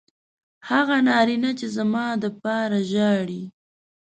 هغه نارینه چې زما دپاره ژاړي